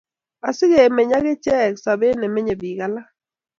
Asikomeny akichek sobet nemenye bik alak